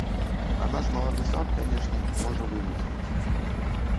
А наш малады сад, канешне, можа вымерзнуць.